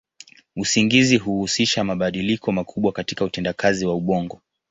Usingizi huhusisha mabadiliko makubwa katika utendakazi wa ubongo.